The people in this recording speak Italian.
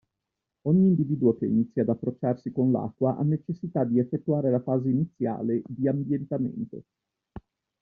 Ogni individuo che inizia ad approcciarsi con l'acqua ha necessità di effettuare la fase iniziale, di "ambientamento".